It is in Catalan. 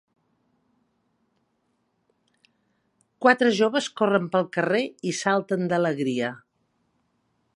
Quatre joves corren pel carrer i salten d'alegria.